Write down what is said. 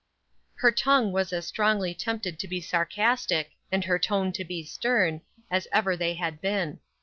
Her tongue was as strongly tempted to be sarcastic, and her tone to be stern, as ever they had been.